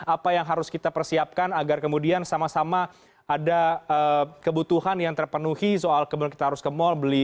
apa yang harus kita persiapkan agar kemudian sama sama ada kebutuhan yang terpenuhi soal kemudian kita harus ke mall